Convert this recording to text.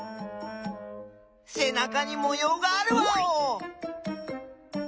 せなかにもようがあるワオ！